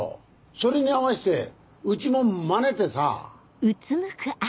それに合わせてうちもマネてさ。